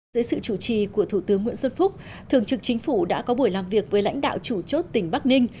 dưới sự chủ trì của thủ tướng nguyễn xuân phúc thường trực chính phủ đã có buổi làm việc với lãnh đạo chủ chốt tỉnh bắc ninh